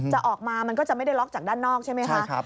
จะออกมามันก็จะไม่ได้ล็อกจากด้านนอกใช่ไหมคะ